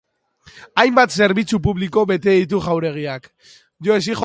Hainbat zerbitzu publiko bete ditu jauregiak.